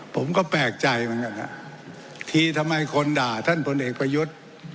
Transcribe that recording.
ผมก็แปลกใจเหมือนกันฮะทีทำไมคนด่าท่านพลเอกประยุทธ์